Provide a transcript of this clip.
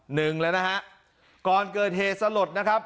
หนึ่งแล้วนะฮะก่อนเกิดเหตุสลดนะครับ